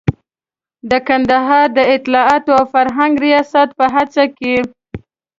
د کندهار د اطلاعاتو او فرهنګ ریاست په هڅه کې.